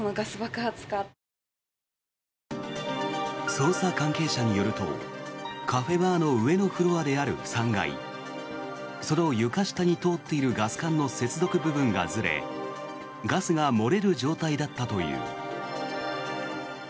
捜査関係者によるとカフェバーの上のフロアである３階その床下に通っているガス管の接続部分がずれガスが漏れる状態だったという。